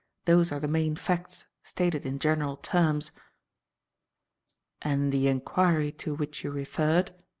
Those are the main facts, stated in general terms." "And the inquiry to which you referred?"